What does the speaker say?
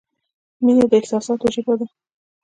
• مینه د احساساتو ژبه ده.